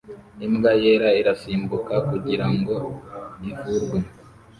Imbwa yera irasimbuka kugirango ivurwe